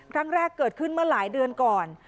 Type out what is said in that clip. ครั้งแรกเกิดขึ้นเมื่อหลายเดือนก่อน